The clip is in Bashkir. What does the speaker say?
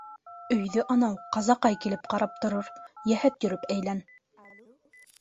Өйҙө анау Ҡазаҡай килеп ҡарап торор, йәһәт йөрөп әйлән.